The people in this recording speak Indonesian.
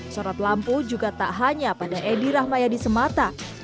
sorot lampu juga tak hanya pada edi rahmayadi semata